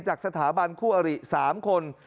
จากสถาบันคู่อริ๓คน